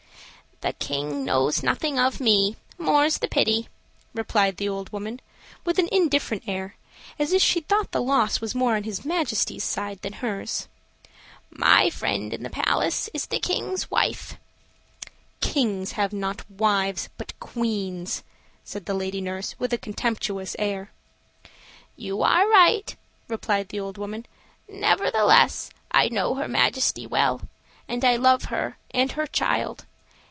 "The King knows nothing of me, more's the pity," replied the old woman, with an indifferent air, as if she thought the loss was more on his Majesty's side than hers. "My friend in the palace is the King's wife." "King's have not wives, but queens," said the lady nurse, with a contemptuous air. "You are right," replied the old woman. "Nevertheless I know her Majesty well, and I love her and her child.